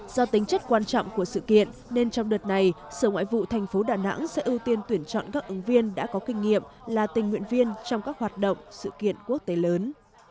do tính chất quan trọng của sự kiện nên trong đợt này sở ngoại vụ thành phố đà nẵng sẽ ưu tiên tuyển chọn các ứng viên đã có kinh nghiệm là tình nguyện viên trong các hoạt động sự kiện quốc tế lớn